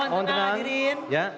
mohon tenang hadirin